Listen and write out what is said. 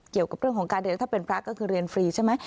เกี่ยวกับเรื่องของการเรียนถ้าเป็นพระก็คือเรียนฟรีใช่ไหม